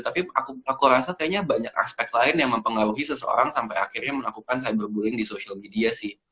tapi aku rasa kayaknya banyak aspek lain yang mempengaruhi seseorang sampai akhirnya melakukan cyberbullying di social media sih